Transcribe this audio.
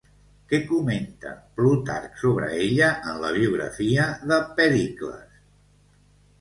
Què comenta Plutarc sobre ella en la biografia de Pèricles?